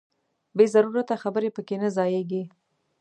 بې ضرورته خبرې پکې نه ځاییږي.